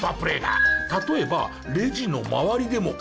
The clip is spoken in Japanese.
例えばレジの周りでも。